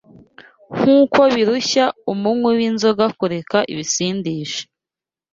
nk’uko birushya umunywi w’inzoga kureka ibisindisha